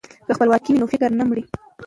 که خپلواکي وي نو فکر نه مري.